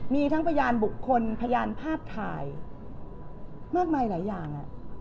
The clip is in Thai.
มีทั้งพยานบุคคลพยานภาพถ่ายมากมายหลายอย่าง